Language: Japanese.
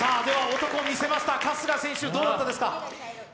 男を見せました春日選手、どうだったですか？